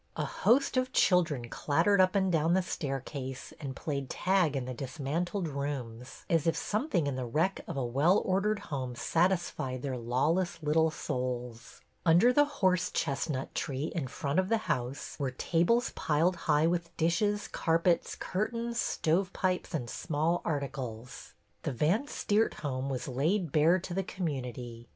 A host of children clattered up and down the staircase and played tag in the dismantled rooms, as if some thing in the wreck of a well ordered home satis fied their lawless little souls. Under the horse chestnut tree in front of the house were tables piled high with dishes, carpets, curtains, stovepipes, and small articles. The Van Steert home was laid bare to the community.